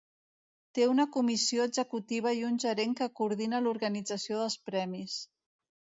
Té una comissió executiva i un gerent que coordina l'organització dels premis.